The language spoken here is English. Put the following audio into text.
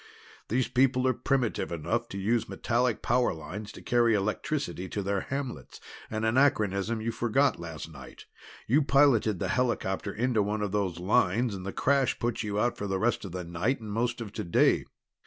These people are primitive enough to use metallic power lines to carry electricity to their hamlets, an anachronism you forgot last night. You piloted the helihopper into one of those lines, and the crash put you out for the rest of the night and most of today.